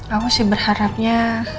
aku sih berharapnya